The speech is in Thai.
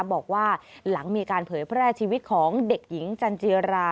บอกว่าหลังมีการเผยแพร่ชีวิตของเด็กหญิงจันจิรา